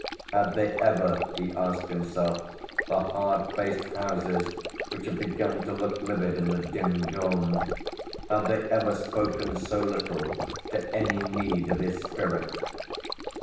Had they ever, he asked himself, the hard faced houses, which had begun to look livid in the dim dawn, had they ever spoken so little to any need of his spirit?